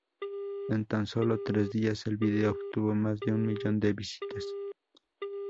En tan sólo tres días el video obtuvo más de un millón de visitas.